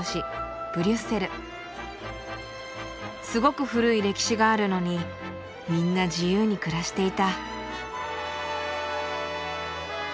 すごく古い歴史があるのにみんな自由に暮らしていた。